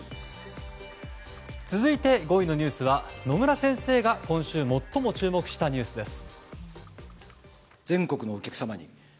続いて、５位のニュースは野村先生が今週最も注目したニュースです。